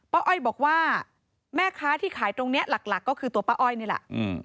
อ้อยบอกว่าแม่ค้าที่ขายตรงนี้หลักก็คือตัวป้าอ้อยนี่แหละ